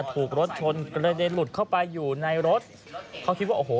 ถูกรถชนกระเด็นหลุดเข้าไปอยู่ในรถเขาคิดว่าโอ้โห